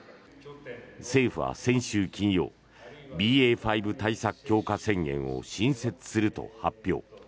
政府は先週金曜ＢＡ．５対策強化宣言を新設すると発表。